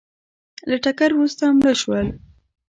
له ټکر وروسته مړه شول